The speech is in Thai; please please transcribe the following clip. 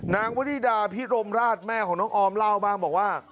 นางวนิดาพิรมราชแม่ของน้องออมเล่าบ้างบอกว่า